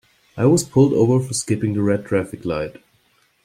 I was pulled over for skipping the red traffic light.